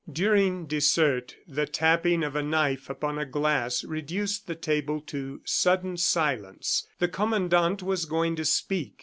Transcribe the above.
During dessert the tapping of a knife upon a glass reduced the table to sudden silence. The Commandant was going to speak.